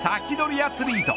アツリート。